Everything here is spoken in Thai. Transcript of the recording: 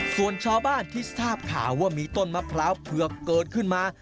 ส่วนชาวบ้านที่ทราบข่าวว่ามีต้นมะพร้าวเผือกเกิดขึ้นมา